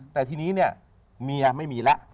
แต่ทีนี้เนี่ยเมียไม่มีแล้ว